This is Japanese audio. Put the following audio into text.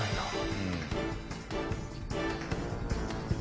うん。